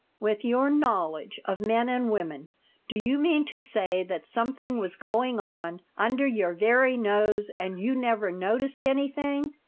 With your knowledge of men and women, do you mean to say that something was going on under your very nose and you never noticed anything?